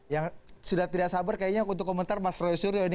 yang sudah tidak sabar kayaknya untuk komentar mas royosuri